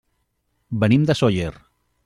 Venim de Sóller.